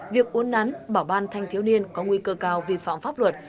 việc uốn nắn bảo ban thanh thiếu niên có nguy cơ cao vi phạm pháp luật